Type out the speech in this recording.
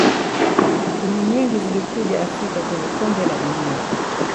timu nyingi zilikuja afrika kwenye kombe la dunia